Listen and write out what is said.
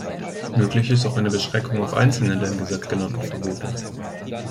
Möglich ist auch eine Beschränkung auf einzelne der im Gesetz genannten Verbote.